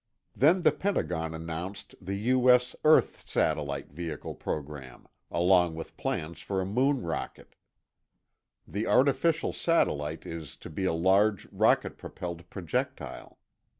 Then the Pentagon announced the U.S. Earth Satellite Vehicle Program, along with plans for a moon rocket, The artificial satellite is to be a large rocket propelled projectile.